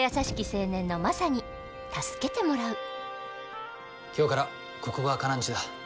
青年のマサに助けてもらう今日からここがカナんちだ。